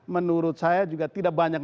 menurut saya juga tidak banyak